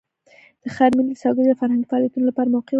د ښار میلې د سوداګرۍ او فرهنګي فعالیتونو لپاره موقع ورکوي.